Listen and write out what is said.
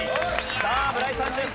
さあ村井さんです。